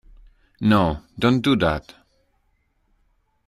No, don't do that.